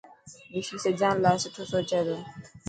رشي سجان لاءِ سٺو سوچي ٿو.